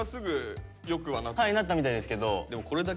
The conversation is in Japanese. はいなったみたいですけど。